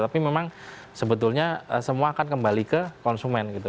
tapi memang sebetulnya semua akan kembali ke konsumen gitu